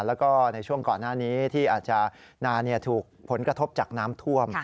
แล้วก็ในช่วงก่อนหน้านี้ที่อาจจะนานถูกผลกระทบจากน้ำท่วม